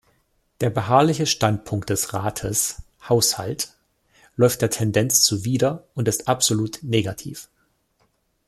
Der beharrliche Standpunkt des Rates "Haushalt" läuft der Tendenz zuwider und ist absolut negativ.